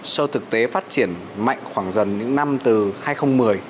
show thực tế phát triển mạnh khoảng dần nữa là gì